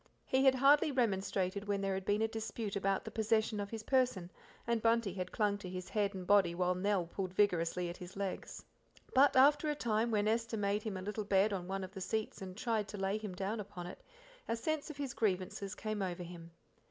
He had hardly remonstrated when there had been a dispute about the possession of his person, and Bunty had clung to his head and body while Nell pulled vigorously at his legs. But after a time, when Esther made him a little bed on one of the seats and tried to lay him down upon it, a sense of his grievances came over him.